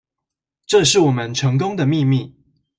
這是我們成功的秘密